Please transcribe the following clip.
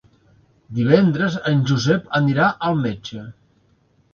Divendres en Josep anirà al metge.